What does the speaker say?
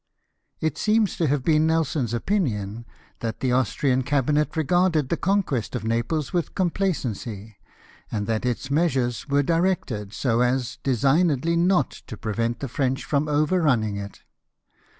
It seems to haA^e been Nelson's opmion that the Austrian cabinet regarded the conquest of Naples with complacency, and that its measures were directed so as designedly not to prevent the French from over running it.